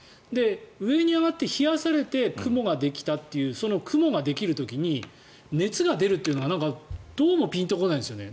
上に上がって冷やされて雲ができたというその雲ができる時に熱が出るというのはどうもピンと来ないんですよね。